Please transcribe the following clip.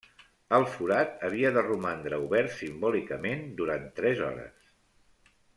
El forat havia de romandre obert simbòlicament durant tres hores.